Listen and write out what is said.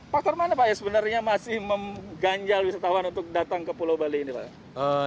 faktor mana pak yang sebenarnya masih mengganjal wisatawan untuk datang ke pulau bali ini pak